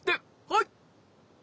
はい！